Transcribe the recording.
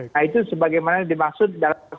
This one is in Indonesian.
nah itu sebagaimana dimaksud